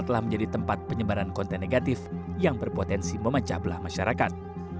telah menjadi tempat penyebaran konten negatif yang berpotensi memecah belah masyarakat